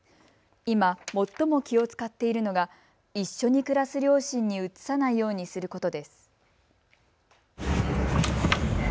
今、最も気を遣っているのが一緒に暮らす両親にうつさないようにすることです。